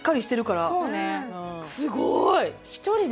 すごーい！